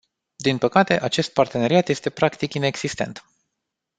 Din păcate, acest parteneriat este practic inexistent.